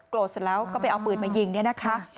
เสร็จแล้วก็ไปเอาปืนมายิงเนี่ยนะคะ